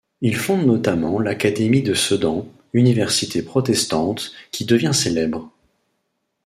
Il fonde notamment l'académie de Sedan, université protestante qui devient célèbre.